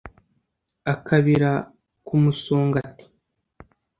akabira ku musongati.